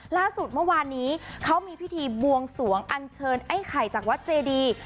ล่าสุดเมื่อวานนี้เขามีพิธีบวงสวงอันเชิญไอ้ไข่จากวัดเจดี